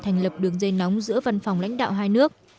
thành lập đường dây nóng giữa văn phòng lãnh đạo hai nước